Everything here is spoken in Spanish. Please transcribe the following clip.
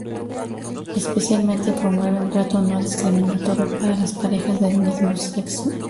Especialmente promueve un trato no discriminatorio para las parejas del mismo sexo.